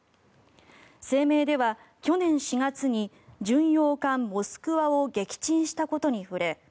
声明では去年４月に巡洋艦「モスクワ」を撃沈したことに触れ